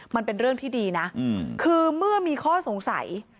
มันเป็นเรื่องที่ดีนะคือเมื่อมีข้อสงสัย